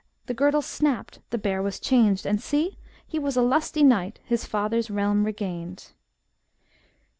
The girdle snapped, the bear was changed, And see! he was a lusty knight, His father's realm regained.